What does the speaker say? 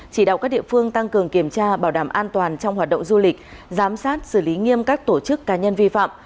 chỉ đạo các địa phương tăng cường kiểm tra bảo đảm an toàn trong hoạt động du lịch giám sát xử lý nghiêm các tổ chức cá nhân vi phạm